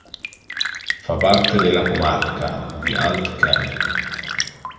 Fa parte della "comarca" di Alt Camp.